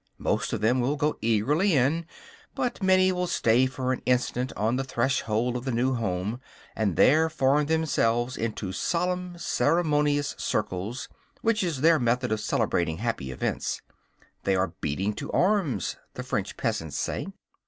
Most of them will go eagerly in; but many will stay for an instant on the threshold of the new home, and there form themselves into solemn, ceremonious circles, which is their method of celebrating happy events. "They are beating to arms," the French peasants say.